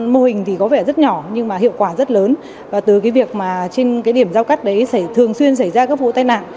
mô hình thì có vẻ rất nhỏ nhưng mà hiệu quả rất lớn và từ cái việc mà trên cái điểm giao cắt đấy sẽ thường xuyên xảy ra các vụ tai nạn